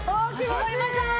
始まりました。